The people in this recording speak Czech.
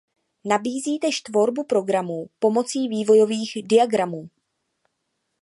Nabízí též tvorbu programů pomocí vývojových diagramů.